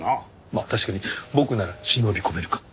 まあ確かに僕なら忍び込めるかも。